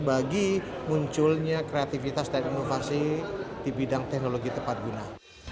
bagi munculnya kreativitas dan inovasi di bidang teknologi tepat guna